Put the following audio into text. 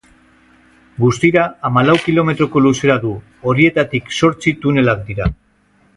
Guztira hamalau kilometroko luzera du, horietatik zortzi tunelak dira.